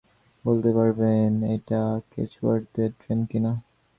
বলতে পারবেন, এটা কেচওয়ার্থের ট্রেন কিনা?